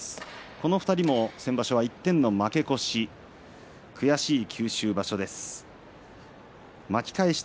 この２人も先場所は１点の負け越し悔しい九州場所でした。